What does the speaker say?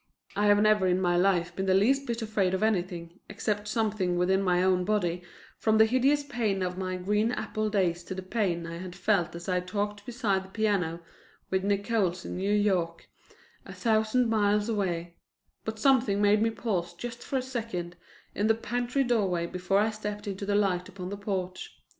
I have never in my life been the least bit afraid of anything, except something within my own body, from the hideous pain of my green apple days to the pain I had felt as I talked beside the piano with Nickols in New York, a thousand miles away; but something made me pause just for a second in the pantry doorway before I stepped into the light upon the porch.